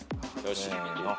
せの。